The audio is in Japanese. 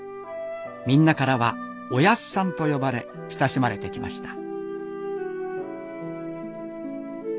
みんなからは「おやっさん」と呼ばれ親しまれてきました。